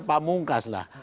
pak mungkas lah